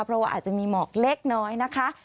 เพราะว่าอาจจะมีหมอกเล็กน้อยนะคะ